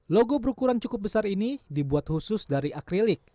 logo berukuran cukup besar ini dibuat khusus dari akrilik